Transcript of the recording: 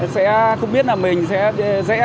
sẽ không biết là mình sẽ rẽ